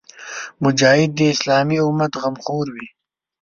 مجاهد د اسلامي امت غمخور وي.